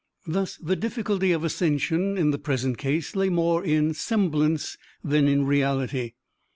Thus the difficulty of ascension, in the present case, lay more in semblance than in reality.